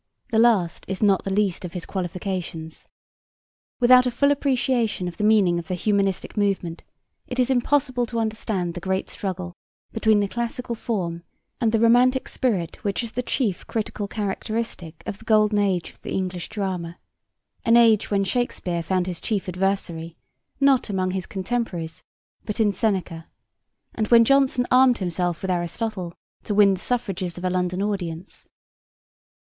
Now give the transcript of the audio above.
The last is not the least of his qualifications. Without a full appreciation of the meaning of the Humanistic movement it is impossible to understand the great struggle between the Classical form and the Romantic spirit which is the chief critical characteristic of the golden age of the English drama, an age when Shakespeare found his chief adversary, not among his contemporaries, but in Seneca, and when Jonson armed himself with Aristotle to win the suffrages of a London audience.